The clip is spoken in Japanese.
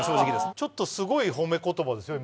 ちょっとすごい褒め言葉ですよ。